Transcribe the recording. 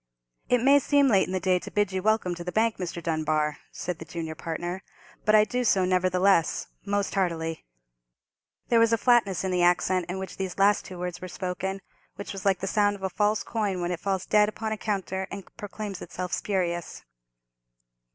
"It may seem late in the day to bid you welcome to the bank, Mr. Dunbar," said the junior partner, "but I do so, nevertheless—most heartily!" There was a flatness in the accent in which these two last words were spoken, which was like the sound of a false coin when it falls dead upon a counter and proclaims itself spurious.